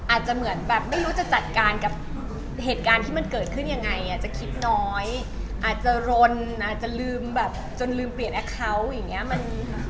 อาจจะเหมือนแบบไม่รู้จะจัดการกับเหตุการณ์ที่มันเกิดขึ้นยังไงอ่ะจะคิดน้อยอาจจะรนอาจจะลืมแบบจนลืมเปลี่ยนแอคเคาน์อย่างนี้